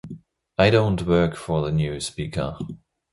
I don't work for the new speaker.